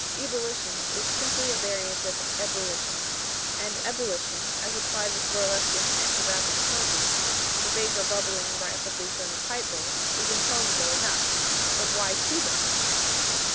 "Ebolition" is simply a variant of "ebullition," and "ebullition," as applied with burlesque intent to rapid smoking the vapour bubbling rapidly from the pipe bowl is intelligible enough, but why Cuban?